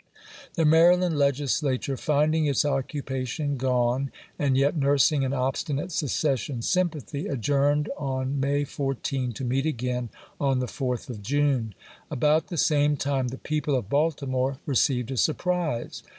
The Maryland Legislature, finding its occupation gone and yet nursing an obstinate secession sym pathy, adjourned on May 14 to meet again on the isei. 4th of June. About the same time the people of Baltimore received a surprise.